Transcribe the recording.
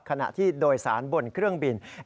ขณะที่โดยสารบนเครื่องบิน